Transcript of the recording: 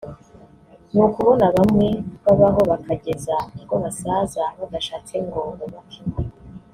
ni ukubona bamwe babaho bakageza ubwo basaza badashatse ngo bubake ingo